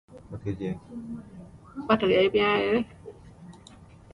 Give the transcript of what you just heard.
The flag was designed by Alphonse Kirimobenecyo.